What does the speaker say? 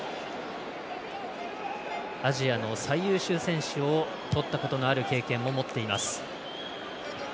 アジアの最優秀選手を取ったことのある経験も持っています。